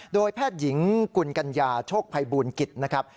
โดยแพทย์หญิงกุลกัญญาโชคภัยบูลกิจนะครับ